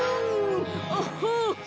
アハハ！